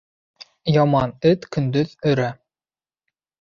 Яман эт көндөҙ өрә.